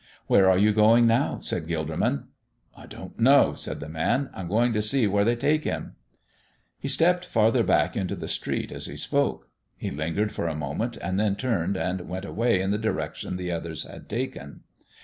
"Where are you going now?" asked Gilderman. "I don't know," said the man. "I'm going to see where they take Him." He stepped farther back into the street as he spoke. He lingered for a moment and then turned and went away in the direction the others had taken.